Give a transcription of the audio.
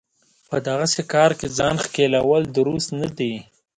په دغسې کار کې ځان ښکېلول درست نه دی.